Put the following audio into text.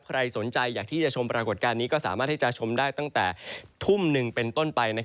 ใครสนใจอยากที่จะชมปรากฏการณ์นี้ก็สามารถที่จะชมได้ตั้งแต่ทุ่มหนึ่งเป็นต้นไป